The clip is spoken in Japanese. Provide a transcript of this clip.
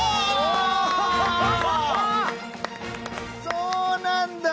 そうなんだ。